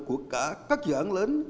của cả các dự án lớn